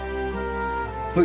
はい。